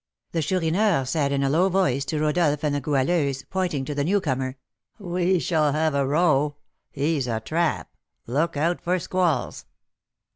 The Chourineur said, in a low voice, to Rodolph and the Goualeuse, pointing to the newcomer, "We shall have a row. He's a 'trap.' Look out for squalls."